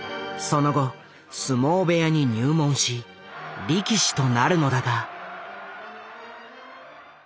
その後相撲部屋に入門し力士となるのだが。